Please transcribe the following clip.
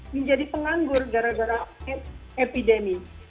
menjadi penganggur gara gara epidemi